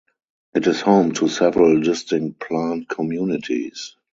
It is home to several distinct plant communities.